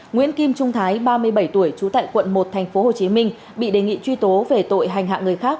nguyễn kim trung thái ba mươi bảy tuổi trú tại quận một tp hcm bị đề nghị truy tố về tội hành hạ người khác